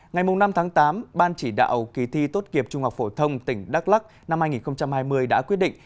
ngày năm tháng tám ban chỉ đạo kỳ thi tốt nghiệp trung học phổ thông tỉnh đắk lắc năm hai nghìn hai mươi đã quyết định